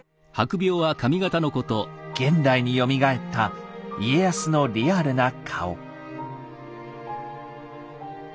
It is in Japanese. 現代によみがえった家康のリアルな顔。